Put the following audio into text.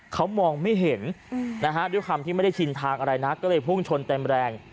เขามองไม่เห็นนะฮะด้วยความที่ไม่ได้ชินทางอะไรนะก็เลยพุ่งชนเต็มแรง